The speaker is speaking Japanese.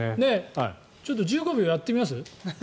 ちょっと１５秒やってみます？